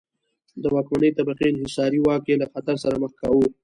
د واکمنې طبقې انحصاري واک یې له خطر سره مخ کاوه.